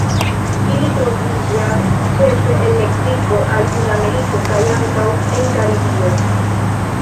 Ili troviĝas ĉefe el Meksiko al Sudameriko kaj ankaŭ en Karibio.